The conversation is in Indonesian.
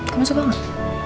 kamu suka gak